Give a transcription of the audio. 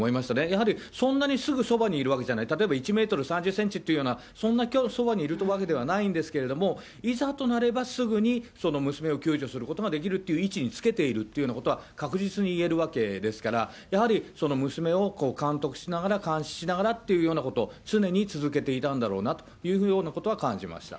やはりそんなにすぐそばにいるわけじゃない、例えば１メートル３０センチというような、そんなすぐそばにいるわけではないんですけれども、いざとなればすぐに娘を救助することができるという位置につけているというようなことは、確実にいえるわけですから、やはり娘を監督しながら、監視しながらっていうようなこと、常に続けていたんだろうなということは感じます。